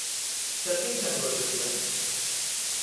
Zer pentsatu ote zuen?